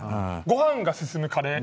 ごはんが進むカレー。